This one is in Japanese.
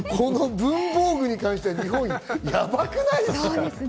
文房具に関してやばくないですか？